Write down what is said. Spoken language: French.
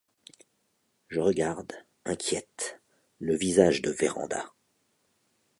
Je regarde, inquiète, le visage de Vérand’a.